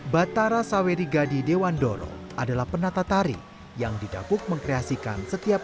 batara saweri gadi dewandoro adalah penata tari yang didapuk mengkreasikan setiap